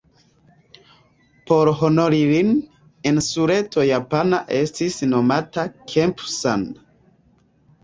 Por honori lin, insuleto japana estis nomata Kempu-san.